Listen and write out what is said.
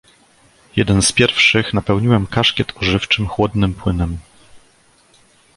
"Jeden z pierwszych napełniłem kaszkiet ożywczym, chłodnym płynem."